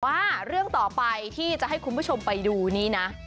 ว่าเรื่องต่อไปที่จะให้คุณผู้ชมไปดูนี้นะ